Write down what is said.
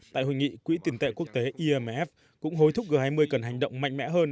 tại hội nghị quỹ tiền tệ quốc tế imf cũng hối thúc g hai mươi cần hành động mạnh mẽ hơn